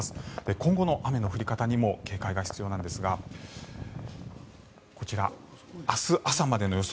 今後の雨の降り方にも警戒が必要なんですがこちら、明日朝までの予想